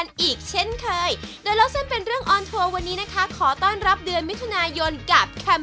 แล้วเอกลักษณ์ของเจ้าหม้อไฟเต๋วนี้มันเป็นยังไง